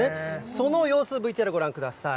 その様子、ＶＴＲご覧ください。